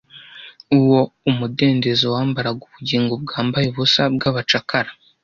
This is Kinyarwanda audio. Uwo umudendezo wambaraga ubugingo bwambaye ubusa bwabacakara